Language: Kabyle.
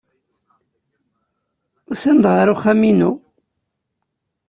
Usan-d ɣer uxxam-inu.